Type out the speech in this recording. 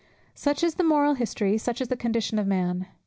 Such is the moral history, such the condition of man.